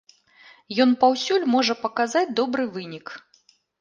Ён паўсюль можа паказаць добры вынік.